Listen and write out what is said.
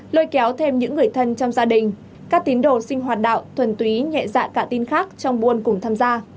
lôi kéo thêm những người thân trong gia đình các tín đồ sinh hoạt đạo thuần túy nhẹ dạ cả tin khác trong buôn cùng tham gia